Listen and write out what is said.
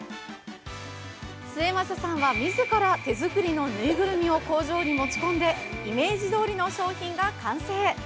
末政さんは自ら手作りのぬいぐるみを工場に持ち込んでイメージどおりの商品が完成。